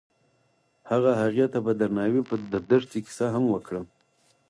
هغه هغې ته په درناوي د دښته کیسه هم وکړه.